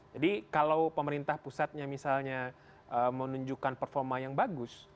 jadi kalau pemerintah pusatnya misalnya menunjukkan performa yang bagus